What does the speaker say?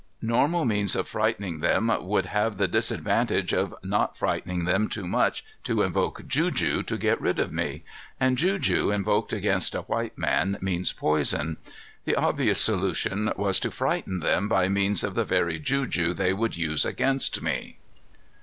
Normal means of frightening them would have the disadvantage of not frightening them too much to invoke juju to get rid of me. And juju, invoked against a white man, means poison. The obvious solution was to frighten them by means of the very juju they would use against me."